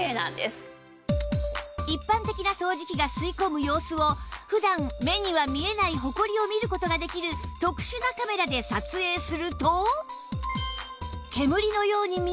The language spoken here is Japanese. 一般的な掃除機が吸い込む様子を普段目には見えないホコリを見る事ができる特殊なカメラで撮影すると